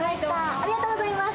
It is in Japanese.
ありがとうございます。